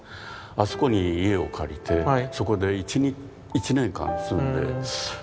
あそこに家を借りてそこで１年間住んで。